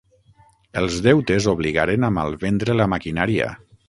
Els deutes obligaren a malvendre la maquinària.